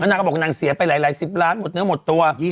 แล้วนางก็บอกว่านางเสียไปหลาย๑๐ล้านหมดเนื้อหมดตัว